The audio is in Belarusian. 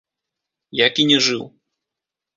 Як і не жыў.